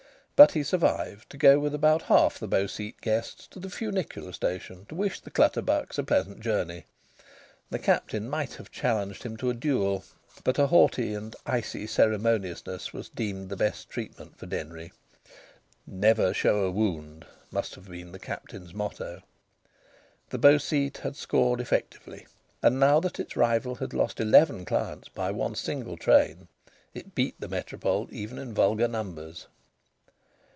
But he survived to go with about half the Beau Site guests to the funicular station to wish the Clutterbucks a pleasant journey. The Captain might have challenged him to a duel but a haughty and icy ceremoniousness was deemed the best treatment for Denry. "Never show a wound" must have been the Captain's motto. The Beau Site had scored effectively. And, now that its rival had lost eleven clients by one single train, it beat the Métropole even in vulgar numbers.